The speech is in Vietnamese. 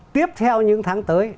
tiếp theo những tháng tới